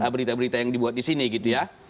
berita berita yang dibuat di sini gitu ya